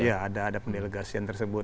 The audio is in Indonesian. ya ada ada pendelegasian tersebut